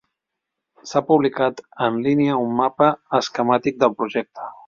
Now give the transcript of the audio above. S'ha publicat en línia un mapa esquemàtic del projecte.